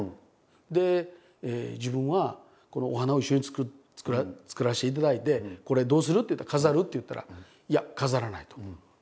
で自分はこのお花を一緒に作らせていただいて「これどうする？飾る？」って言ったら「いや飾らない」と。